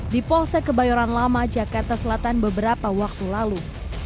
di polsek kebayoran lama jakarta selatan beberapa waktu lalu